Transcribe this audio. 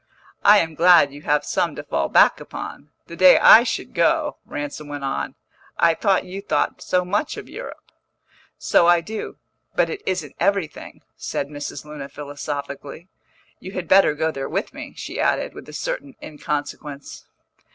"I am glad you have some to fall back upon, the day I should go," Ransom went on. "I thought you thought so much of Europe." "So I do; but it isn't everything," said Mrs. Luna philosophically. "You had better go there with me," she added, with a certain inconsequence.